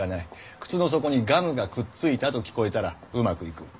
「靴の底にガムがくっついた」と聞こえたらうまくいく。